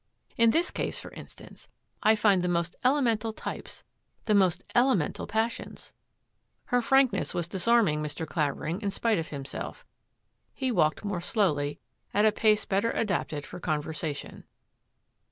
In this case, for instance, I find the most ele mental types, the most elemental passions." Her frankness was disarming Mr. Clavering in spite of himself. He walked more slowly, at a pace better adapted for conversation.